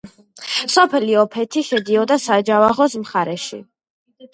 სოფელი ოფეთი შედიოდა საჯავახოს მხარეში.